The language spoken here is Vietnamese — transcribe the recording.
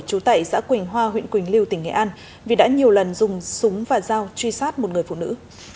trú tại xã quỳnh hoa huyện quỳnh lưu tỉnh nghệ an vì đã nhiều lần dùng súng và dao truy sát một người phụ nữ